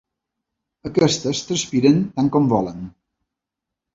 Aquestes transpiren tant com volen.